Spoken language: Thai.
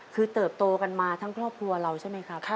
คือเติบโตกันมาทั้งครอบครัวเราใช่ไหมครับ